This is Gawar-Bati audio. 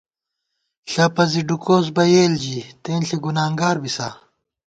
ݪَپہ زِی ڈُوکوس بہ یېل ژِی ، تېنݪی گُنانگار بِسا